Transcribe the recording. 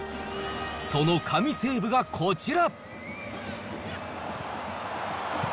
その神セーブがこちら。